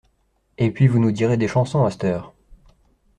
Et puis vous nous direz des chansons, à c't'heure!